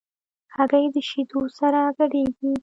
هګۍ د شیدو سره ګډېږي.